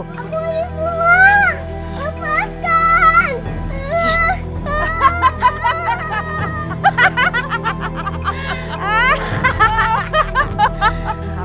aku mau keluar lepaskan